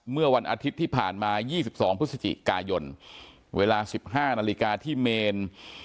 เมื่อวันอาทิตย์ที่ผ่านมา๒๒พฤศจิกายนเวลา๑๕นาฬิกาที่เมน